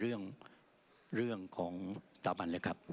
เรื่องของสถาบันเลยครับ